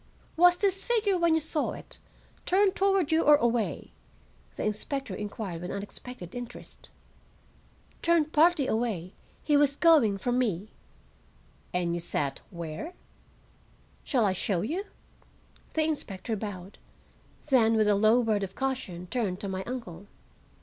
"Was this figure, when you saw it, turned toward you or away?" the inspector inquired with unexpected interest. "Turned partly away. He was going from me." "And you sat—where?" "Shall I show you?" The inspector bowed, then with a low word of caution turned to my uncle.